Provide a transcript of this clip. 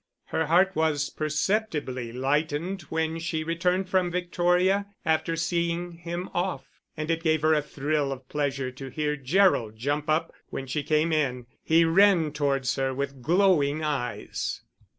Her heart was perceptibly lightened when she returned from Victoria after seeing him off, and it gave her a thrill of pleasure to hear Gerald jump up when she came in. He ran towards her with glowing eyes.